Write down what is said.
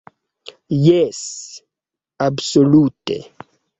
Jes, absolute!